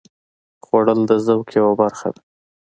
خوړل د ذوق یوه برخه ده